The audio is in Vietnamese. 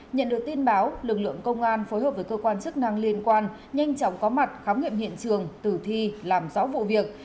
nhận được tin báo lực lượng công an phối hợp với cơ quan chức năng liên quan nhanh chóng có mặt khám nghiệm hiện trường tử thi làm rõ vụ việc